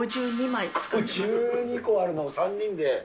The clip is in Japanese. ５２個あるのを３人で。